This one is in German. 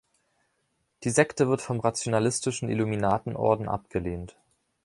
Die Sekte wird vom rationalistischen Illuminatenorden abgelehnt.